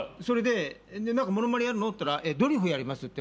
何かものまねやるの？って言ったらドリフやりますっていうから。